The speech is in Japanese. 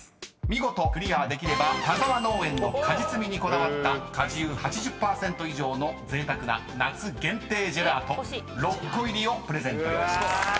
［見事クリアできれば田沢農園の果実味にこだわった果汁８０％以上のぜいたくな夏限定ジェラート６個入りをプレゼントいたします］